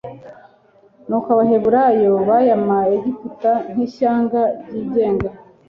Nuko Abaheburayo baya mu Egiputa nk'ishyanga ryigenga.